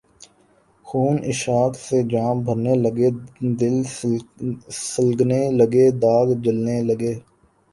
خون عشاق سے جام بھرنے لگے دل سلگنے لگے داغ جلنے لگے